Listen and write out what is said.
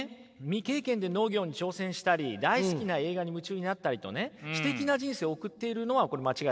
未経験で農業に挑戦したり大好きな映画に夢中になったりとね詩的な人生を送っているのはこれ間違いないですよね。